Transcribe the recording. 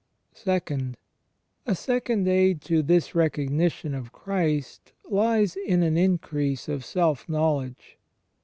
(2) A second aid to this recognition of Christ lies in an increase of self knowledge.